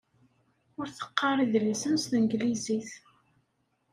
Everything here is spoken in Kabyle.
Ur teqqar idlisen s tanglizit.